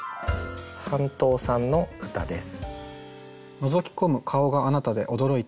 半島さんの歌です。